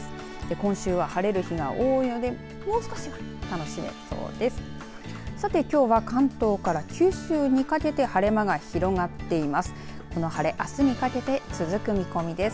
今週は晴れる日が多いのでもう少し楽しめるそうです。